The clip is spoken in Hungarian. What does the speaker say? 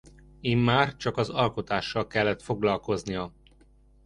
Immár csak az alkotással kellett foglalkoznia.